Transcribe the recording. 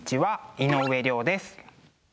井上涼です。